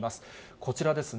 こちらですね。